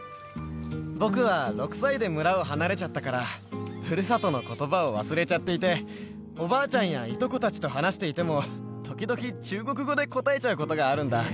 僕は６歳で村を離れちゃったから、ふるさとのことばを忘れちゃっていて、おばあちゃんやいとこたちと話していても、時々、中国語で答えちゃうことがあるんだ。